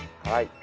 はい。